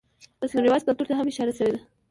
رسم رواج ،کلتور ته هم اشاره شوې ده.